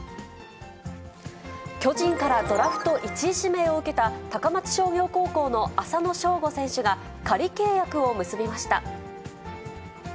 巨人からドラフト１位指名を受けた、高松商業高校の浅野翔吾選手が、仮契約を結びました。